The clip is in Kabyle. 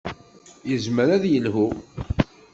Yezmer ad yelhu.